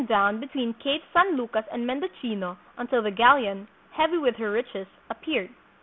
down between Capes San Lucas and Mendocino until the galleon, heavy with her riches, appeared.